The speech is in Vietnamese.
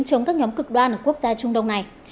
chống các nhóm cực đoan ở quốc gia trung đông này